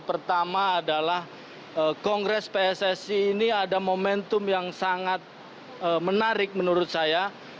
pertama adalah kongres pssi ini ada momentum yang sangat menarik menurut saya